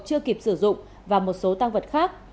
chưa kịp sử dụng và một số tăng vật khác